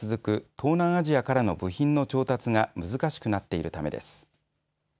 東南アジアからの部品の調達が難しくなっているためです。